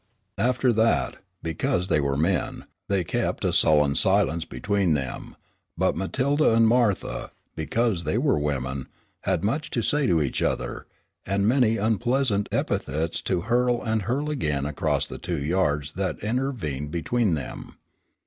After that, because they were men, they kept a sullen silence between them, but Matilda and Martha, because they were women, had much to say to each other, and many unpleasant epithets to hurl and hurl again across the two yards that intervened between them.